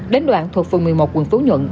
đến đoạn thuộc phường một mươi một quận phú nhuận